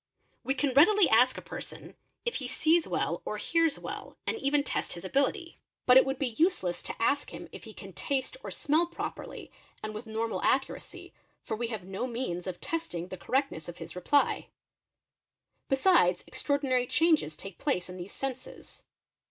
We can readily ask a person if he sees well or hears well, and even test his ability; but it would be useless to oe + "a 72 EXAMINATION OF WITNESSES ask him if he can taste or smell properly and with normal accuracy, for we have no means of testing the correctness of his reply. Besides extraordinary changes take place in these senses.